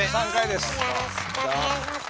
よろしくお願いします。